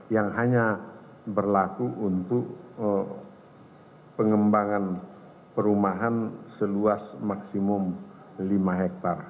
yang hanya berlaku untuk pengembangan perumahan seluas maksimum lima hektare